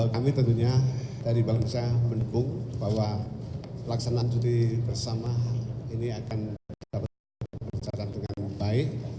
kami tentunya dari bank indonesia mendukung bahwa pelaksanaan cuti bersama ini akan dapat berjalan dengan baik